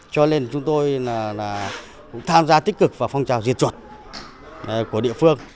cho nên chúng tôi cũng tham gia tích cực vào phong trào diệt chuột của địa phương